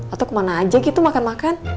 atau kemana aja gitu makan makan